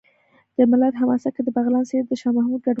د ملت حماسه کې د بغلان څېره د شاه محمود کډوال لیکنه ده